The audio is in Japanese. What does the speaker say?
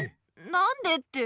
なんでって。